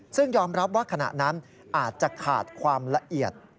ซึ่งยอมรับว่าขณะนั้นอาจจะขาดความละเอียด